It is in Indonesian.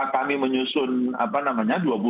kami menyusun apa namanya